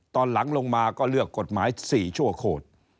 ตอนหลังลงมาก็เลือกกฎหมาย๔ชั่วโขด